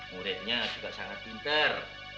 muridnya juga sangat pinter